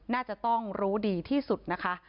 น่าจะต้องรู้ดีที่สุดนะคะ